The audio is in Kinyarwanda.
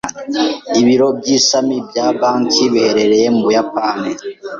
Ibiro by'ishami bya banki biherereye mu Buyapani.